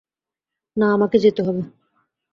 না, আমাকে যেতে হবে।